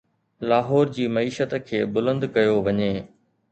لاهور جي معيشت کي بلند ڪيو وڃي.